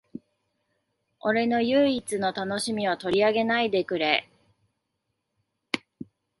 俺の唯一の楽しみを取り上げないでくれ